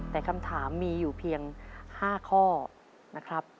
แต่คำถามมีอยู่เพียง๕ข้อนะครับ